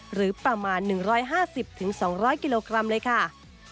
หรือประมาณ๑๕๐๒๐๐กิโลกรัมเลยค่ะ